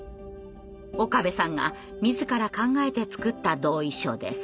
岡部さんが自ら考えて作った同意書です。